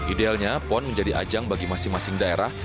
idealnya pon menjadi ajang bagi masing masing daerah